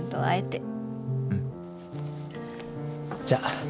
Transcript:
じゃあ。